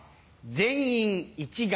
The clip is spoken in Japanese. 全員一丸。